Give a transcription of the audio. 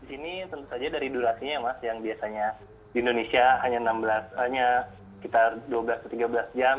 ini tentu saja dari durasinya mas yang biasanya di indonesia hanya dua belas tiga belas jam